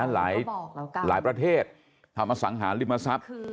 หลายประเทศทำอสังหาริมทรัพย์